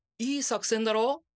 いい作戦だろ。